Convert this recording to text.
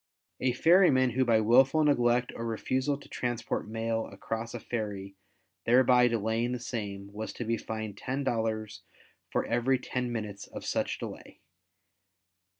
A ferryman who by wilful neglect or refusal to transport mail across a ferry thereby delaying the same, was to be fined $10 for every ten minutes of such delay.